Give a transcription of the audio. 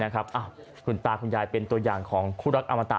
คุณตาคุณยายเป็นตัวอย่างของคู่รักอมตะ